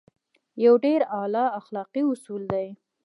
يو ډېر اعلی اخلاقي اصول دی.